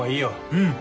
うん。